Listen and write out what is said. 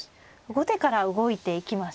後手から動いていきましたね。